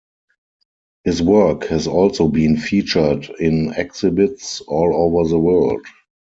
His work has also been featured in exhibits all over the world.